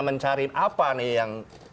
mencari apa nih yang